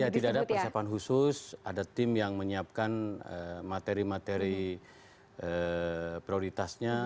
ya tidak ada persiapan khusus ada tim yang menyiapkan materi materi prioritasnya